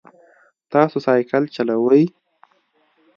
تاسو سایکل چلوئ؟